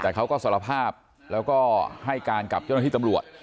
แต่เขาก็สารภาพแล้วก็ให้การกับเจ้าหน้าที่ตำรวจ